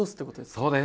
そうです。